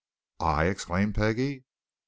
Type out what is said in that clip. "I!" exclaimed Peggie.